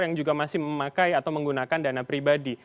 yang juga masih memakai atau menggunakan dana pribadi